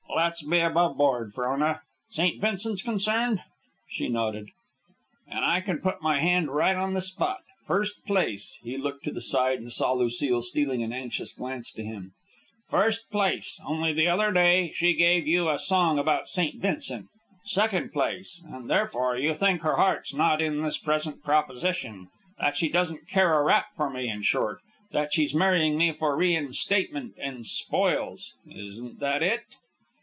"Let's be above board, Frona. St. Vincent's concerned?" She nodded. "And I can put my hand right on the spot. First place," he looked to the side and saw Lucile stealing an anxious glance to him, "first place, only the other day she gave you a song about St. Vincent. Second place, and therefore, you think her heart's not in this present proposition; that she doesn't care a rap for me; in short, that she's marrying me for reinstatement and spoils. Isn't that it?"